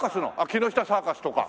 木下サーカスとか？